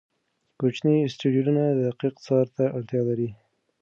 کوچني اسټروېډونه دقیق څار ته اړتیا لري.